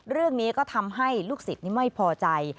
เรื่องนี้ก็ทำให้ลูกศิษย์นี้ไม่พอใจ